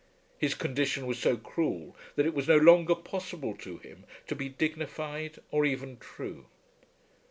His condition was so cruel that it was no longer possible to him to be dignified or even true.